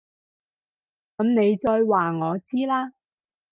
噉你再話我知啦